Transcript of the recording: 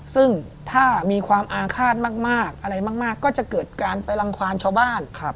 ซึ่งถ้ามีความอาฆาตมากอะไรมากก็จะเกิดการไปรังความชาวบ้าน